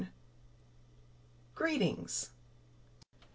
A. GREETINGS!